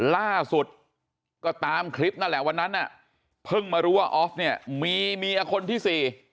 ล่าสุดก็ตามคลิปนั่นแหละวันนั้นพึ่งมารู้ว่าออฟเนี่ยมีคนที่๔